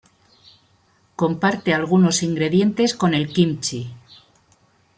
Comparte algunos ingredientes con el kimchi.